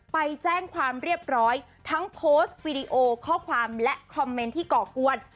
ไปแจ้งความเรียบร้อยทั้งโพสต์วีดีโอข้อความและคอมเมนต์ที่ก่อกวน